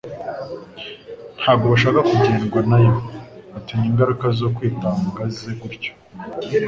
Ntabwo bashaka kugengwa na yo batinya ingaruka zo kwitanga ze gutyo.